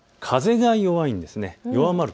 風が弱いんです。